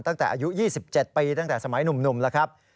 ตั้งแต่อายุ๒๗ปีตั้งแต่สมัยหนุ่มแล้วครับ